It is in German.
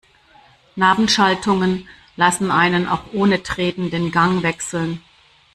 Nabenschaltungen lassen einen auch ohne Treten den Gang wechseln.